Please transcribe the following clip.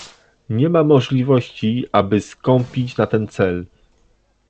Nie ma możliwości, aby skąpić na ten cel